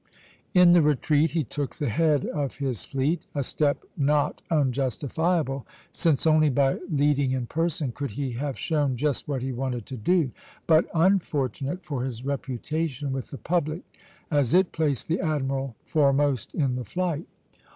In the retreat he took the head of his fleet; a step not unjustifiable, since only by leading in person could he have shown just what he wanted to do, but unfortunate for his reputation with the public, as it placed the admiral foremost in the flight.